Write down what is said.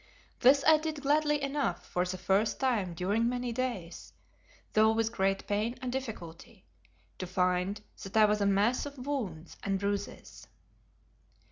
This I did gladly enough for the first time during many days, though with great pain and difficulty, to find that I was a mass of wounds and bruises.